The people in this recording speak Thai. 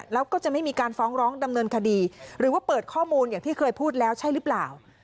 แล้วก็จะไม่มีการฟ้องร้องดำเนินคดีหรือว่าเปิดข้อมูลอย่างที่เคยพูดแล้วใช่หรือเปล่า